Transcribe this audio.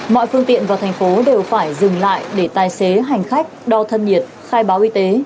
mọi phương tiện vào thành phố đều phải dừng lại để tài xế hành khách đo thân nhiệt khai báo y tế